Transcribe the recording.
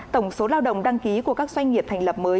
tổng số lao động đăng ký của các doanh nghiệp thành lập mới